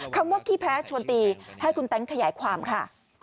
คำว่าขี้แพ้ชวนตีให้คุณแต๊งขยายความค่ะ